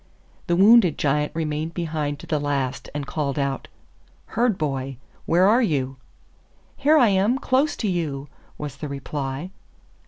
The wounded Giant remained behind to the last and called out, 'Herd boy, where are you?' 'Here I am, close to you,' was the reply.